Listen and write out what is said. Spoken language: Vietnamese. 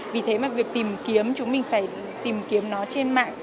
vì thế mà việc tìm kiếm chúng mình phải tìm kiếm nó trên mạng